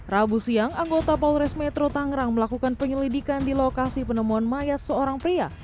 rabu siang anggota polres metro tangerang melakukan penyelidikan di lokasi penemuan mayat seorang pria